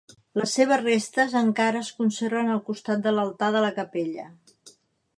Les seves restes encara es conserven al costat de l'altar de la capella.